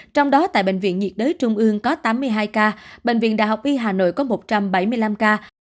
trong đó tại bệnh viện nhiệt đới trung ương có tám mươi hai ca bệnh viện đại học y hà nội có một trăm bảy mươi năm ca